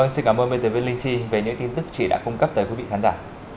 xin cảm ơn btv linh chi về những tin tức chị đã cung cấp tới quý vị khán giả